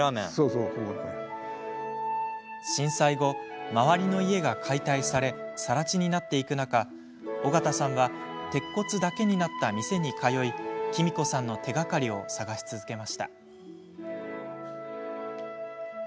震災後、周りの家が解体され、さら地になっていく中尾形さんは鉄骨だけになった店に通いきみ子さんの手がかりを探し続けました。